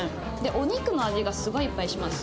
お肉の味がすごいいっぱいします。